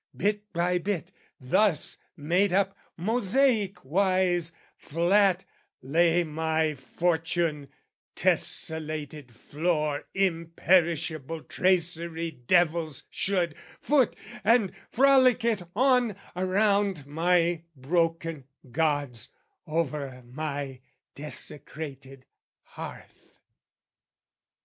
Bit by bit thus made up mosaic wise, Flat lay my fortune, tesselated floor, Imperishable tracery devils should foot And frolic it on, around my broken gods, Over my desecrated hearth.